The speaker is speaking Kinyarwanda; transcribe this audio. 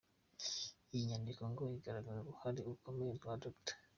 Iyi nyandiko ngo igaragaza uruhare rukomeye rwa Dr.